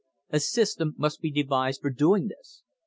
A system must be devised for doing this.